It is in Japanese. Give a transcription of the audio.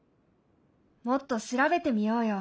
もっと調べてみようよ。